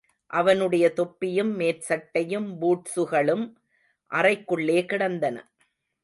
அவனுடைய தொப்பியும், மேற்சட்டையும், பூட்ஸுகளும் அறைக்குள்ளே கிடந்தன.